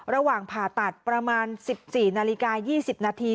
ระหว่างผ่าตัดประมาณ๑๔นาฬิกา๒๐นาที